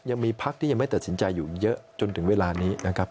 ยังมีพักที่ยังไม่ตัดสินใจอยู่เยอะจนถึงเวลานี้นะครับ